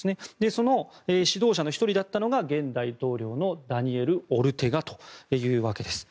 その指導者の１人だったのが現大統領のダニエル・オルテガというわけです。